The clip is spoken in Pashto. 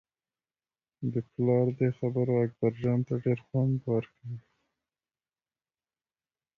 د پلار دې خبرو اکبرجان ته ډېر خوند ورکړ.